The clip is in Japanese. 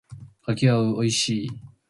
柿は美味しい。